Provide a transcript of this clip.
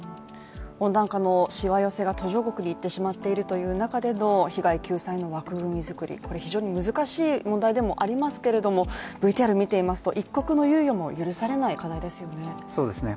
温暖化のしわ寄せが途上国に行ってしまっているという中での被害救済の枠組み作り、これは非常に難しい問題でもありますけれども、ＶＴＲ見てみますと一刻の猶予も許されない課題ですね。